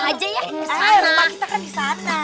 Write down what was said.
rumah kita kan di sana